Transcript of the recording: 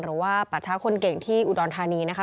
หรือว่าปัชชาคนเก่งที่อุดรธานีนะคะ